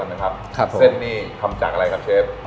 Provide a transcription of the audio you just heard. เส้นนี่ทำจากอะไรครับเชฟ